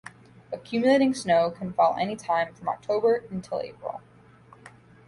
Accumulating snow can fall any time from October until April.